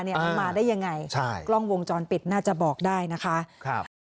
มันมาได้ยังไงใช่กล้องวงจรปิดน่าจะบอกได้นะคะ